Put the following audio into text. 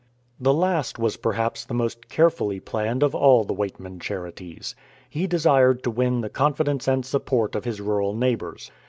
This last was perhaps the most carefully planned of all the Weightman Charities. He desired to win the confidence and support of his rural neighbors.